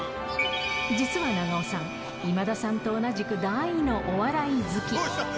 実は長尾さん、今田さんと同じく大のお笑い好き。